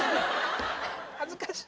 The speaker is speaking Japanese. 恥ずかしい。